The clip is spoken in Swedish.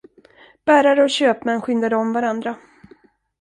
Bärare och köpmän skyndade om varandra.